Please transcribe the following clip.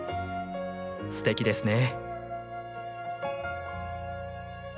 すてきですね。